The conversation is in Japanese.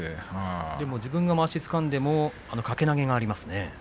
自分がまわしをつかんでも掛け投げがありますよね。